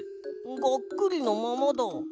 がっくりのままだ。